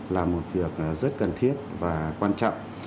là một việc rất cần thiết và quan trọng